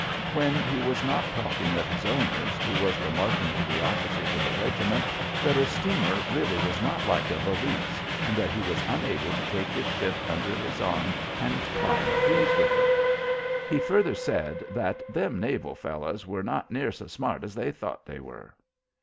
When he was not talking of his owners he was remarking to the officers of the regiment that a steamer really was not like a valise, and that he was unable to take his ship under his arm and climb trees with it. He further said that "them naval fellows" were not near so smart as they thought they were.